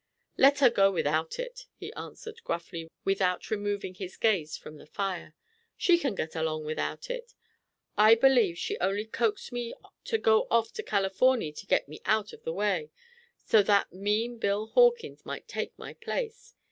"Let her go without it," he answered, gruffly, without removing his gaze from the fire. "She can get along without it. I believe she only coaxed me to go off to Californy to get me out of the way, so that mean Bill Hawkins might take my place.